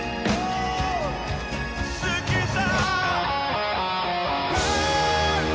「好きさ」